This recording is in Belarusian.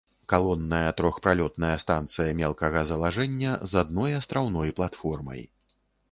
Калонная трохпралётная станцыя мелкага залажэння з адной астраўной платформай.